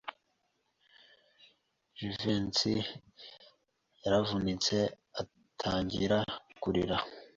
Jivency yaravunitse atangira kurira.